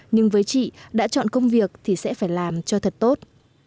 nhưng với chị đã chọn công việc thì sẽ phải làm cho thật tốt